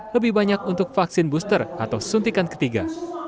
lebih banyak untuk vaksin booster atau suntikan ketiga